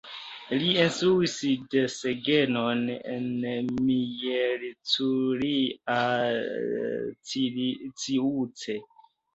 Li instruis desegnon en Miercurea Ciuc.